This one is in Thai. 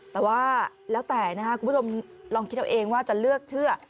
แต่ว่าแล้วแต่นะครับคุณผู้ชมลองคิดเอาเองว่าจะเลือกเชื่อ